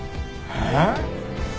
えっ！？